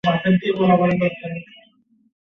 আপনি তো আমাকে কষ্ট দিলেন।